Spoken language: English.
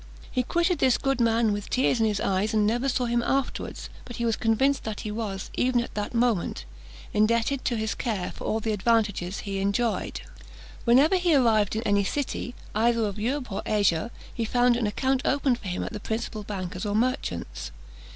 He quitted this good man with tears in his eyes, and never saw him afterwards; but he was convinced that he was, even at that moment, indebted to his care for all the advantages he enjoyed. Whenever he arrived in any city, either of Europe or Asia, he found an account opened for him at the principal bankers' or merchants'.